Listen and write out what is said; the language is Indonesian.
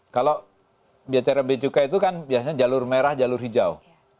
kalau biasa rmp cukai itu kan biasanya jalur merah jalur hijau